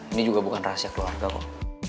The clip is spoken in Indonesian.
ini juga bukan rahasia keluarga kok